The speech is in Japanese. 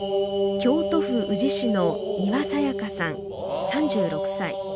京都府宇治市の丹羽紗矢香さん、３６歳。